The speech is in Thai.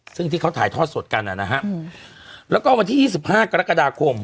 ซึ่งที่เขาถ่ายทอดสดกันอ่ะนะฮะแล้วก็วันที่ยี่สิบห้ากรกฎาคม